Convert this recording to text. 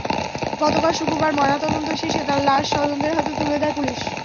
গতকাল শুক্রবার ময়নাতদন্ত শেষে তাঁর লাশ স্বজনদের হাতে তুলে দেয় পুলিশ।